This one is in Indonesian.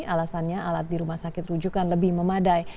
alasannya alat di rumah sakit rujukan lebih memadai